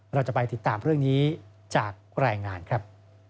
เราจะไปติดตามเรื่องนี้จากรายงานครับ